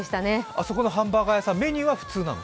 あそこのハンバーガー屋さんメニューは普通なの？